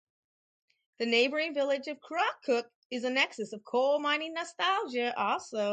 The neighbouring village of Crawcrook is a nexus of coal mining nostalgia also.